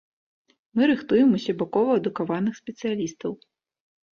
Мы рыхтуем усебакова адукаваных спецыялістаў.